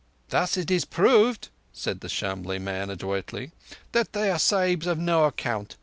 "Thus it is proved," said the Shamlegh man adroitly, "that they are Sahibs of no account.